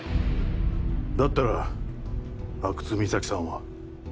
だったら阿久津実咲さんは？